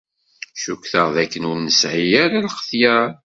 Cukkteɣ dakken ur nesɛi ara lxetyar.